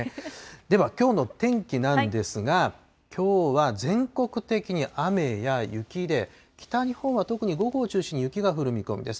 では、きょうの天気なんですが、きょうは全国的に雨や雪で、北日本は特に午後を中心に雪が降る見込みです。